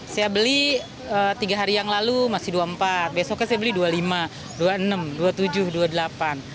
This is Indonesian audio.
saya beli tiga hari yang lalu masih rp dua puluh empat besoknya saya beli rp dua puluh lima rp dua puluh enam rp dua puluh tujuh rp dua puluh delapan